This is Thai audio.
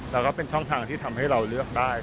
แล้วก็เป็นช่องทางที่ทำให้เราเลือกได้